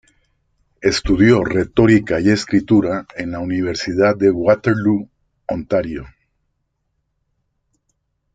Estudió retórica y escritura en la Universidad de Waterloo, Ontario.